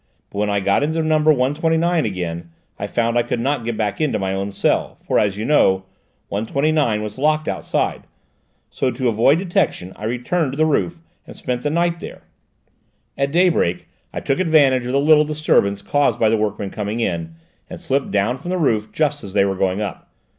But when I got into number 129 again I found I could not get back into my own cell, for, as you know, 129 was locked outside; so to avoid detection I returned to the roof and spent the night there; at daybreak I took advantage of the little disturbance caused by the workmen coming in, and slipped down from the roof just as they were going up.